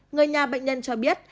người nhà bệnh nhân cho biết